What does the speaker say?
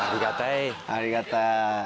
ありがたい。